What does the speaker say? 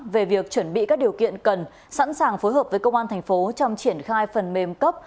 về việc chuẩn bị các điều kiện cần sẵn sàng phối hợp với công an thành phố trong triển khai phần mềm cấp